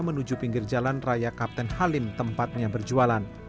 menuju pinggir jalan raya kapten halim tempatnya berjualan